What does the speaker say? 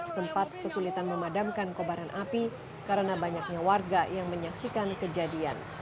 sempat kesulitan memadamkan kobaran api karena banyaknya warga yang menyaksikan kejadian